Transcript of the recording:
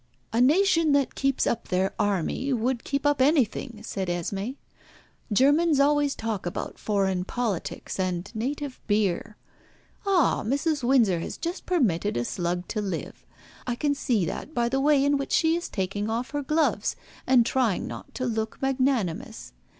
"A nation that keeps up their army would keep up anything," said Esmé. "Germans always talk about foreign politics and native beer. Oh! Mrs. Windsor has just permitted a slug to live. I can see that by the way in which she is taking off her gloves and trying not to look magnanimous.